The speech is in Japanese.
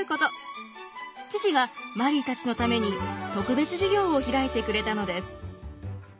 父がマリーたちのために特別授業を開いてくれたのです。